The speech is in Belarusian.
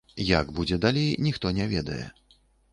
Як будзе далей, ніхто не ведае.